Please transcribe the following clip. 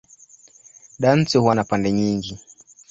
Dansi huwa na pande nyingi.